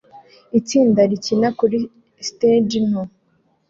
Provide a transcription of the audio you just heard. Itsinda rikina kuri stade nto